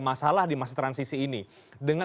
masalah di masa transisi ini dengan